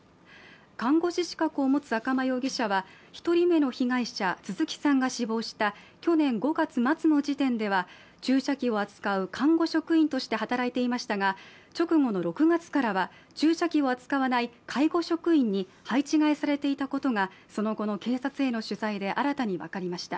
看護師資格を持つ赤間容疑者は１人目の被害者、鈴木さんが死亡した去年５月末の時点では注射器を扱う看護職員として働いていましたが、直後の６月からは注射器を扱わない介護職員に配置換えされていたことがその後の警察への取材で新たに分かりました。